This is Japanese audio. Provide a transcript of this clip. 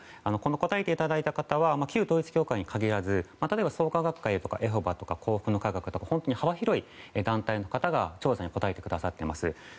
答えていただいた方は旧統一教会に限らず例えば創価学会とかエホバとか幸福の科学だとか幅広い団体の方が調査に答えてくださっています。